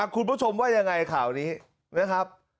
คุณผู้ชมว่ายังไงข่าวนี้นะครับ